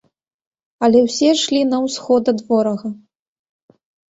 Але ўсе ішлі на ўсход, ад ворага.